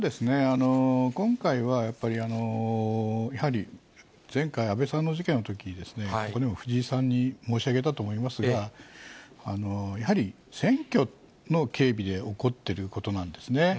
今回はやっぱり、前回、安倍さんの事件のとき、ここでも藤井さんに申し上げたと思いますが、やはり選挙の警備で起こっていることなんですね。